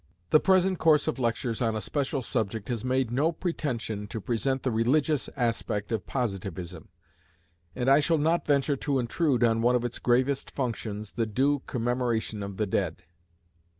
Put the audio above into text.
The present course of lectures on a special subject has made no pretension to present the religious aspect of Positivism, and I shall not venture to intrude on one of its gravest functions the due commemoration of the dead.